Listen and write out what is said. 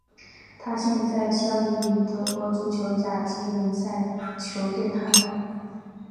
他现在效力于德国足球甲级联赛球队汉堡。